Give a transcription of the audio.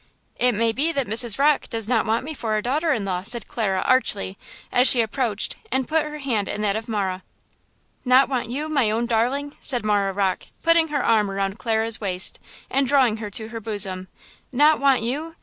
"It may be that Mrs. Rocke does not want me for a daughter in law," said Clara, archly, as she approached and put her hand in that of Marah. "Not want you, my own darling!" said Marah Rocke, putting her arm around Clara's waist, and drawing her to her bosom, "not want you!